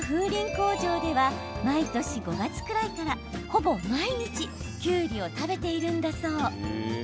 工場では毎年５月くらいからほぼ毎日、きゅうりを食べているのだそう。